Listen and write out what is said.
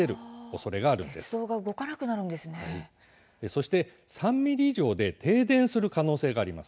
そして３ｍｍ以上で停電する可能性があります。